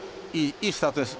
いいスタートです。